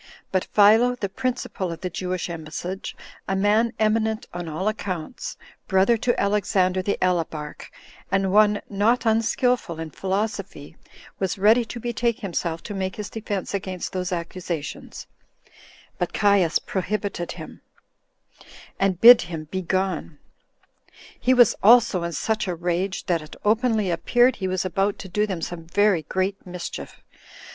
But Philo, the principal of the Jewish embassage, a man eminent on all accounts, brother to Alexander the alabarch, 30 and one not unskillful in philosophy, was ready to betake himself to make his defense against those accusations; but Caius prohibited him, and bid him begone; he was also in such a rage, that it openly appeared he was about to do them some very great mischief.